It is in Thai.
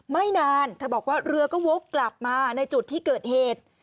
ไม่นานเธอบอกว่าเรือก็วกกลับมาในจุดที่เกิดเหตุ